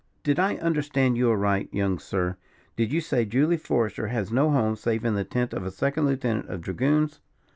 "Did I understand you aright, young sir? Did you say Julia Forester has no home save in the tent of a second lieutenant of dragoons?"